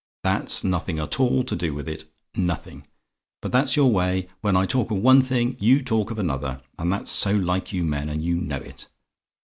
That's nothing at all to do with it nothing: but that's your way when I talk of one thing, you talk of another; that's so like you men, and you know it.